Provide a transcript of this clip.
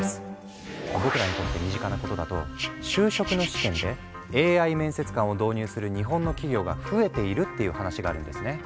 僕らにとって身近なことだと就職の試験でＡＩ面接官を導入する日本の企業が増えているっていう話があるんですね。